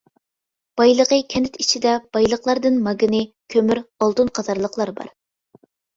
بايلىقى كەنت ئىچىدە بايلىقلاردىن ماگنىي، كۆمۈر، ئالتۇن قاتارلىقلار بار.